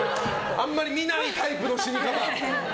あまり見ないタイプの死に方。